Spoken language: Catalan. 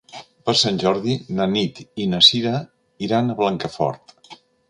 Per Sant Jordi na Nit i na Cira iran a Blancafort.